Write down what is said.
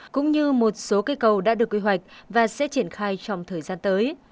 cũng như một số cây cầu đã được quy hoạch và sẽ triển khai trong thời gian tới